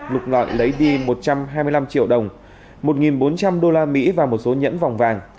lục ngọn lấy đi một trăm hai mươi năm triệu đồng một bốn trăm linh đô la mỹ và một số nhẫn vòng vàng